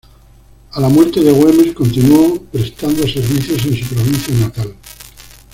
A la muerte de Güemes continuó prestando servicios en su provincia natal.